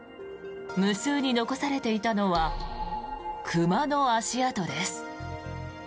無数に残されていたのは熊の足跡です。